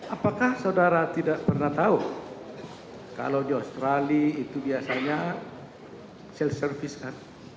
apakah saudara tidak pernah tahu kalau di australia itu biasanya self service kan